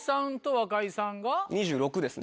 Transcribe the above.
２６ですね。